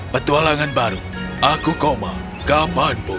petualangan baru aku koma kapanpun